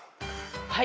はい。